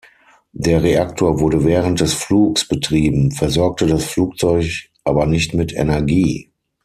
Der Reaktor wurde während des Flugs betrieben, versorgte das Flugzeug aber nicht mit Energie.